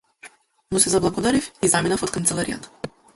Му се заблагодарив и заминав од канцеларијата.